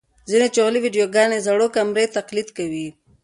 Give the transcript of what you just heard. ځینې جعلي ویډیوګانې زړو کمرې تقلید کوي.